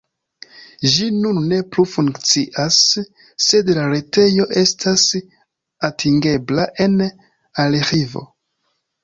Ĝi nun ne plu funkcias, sed la retejo estas atingebla en arĥivo.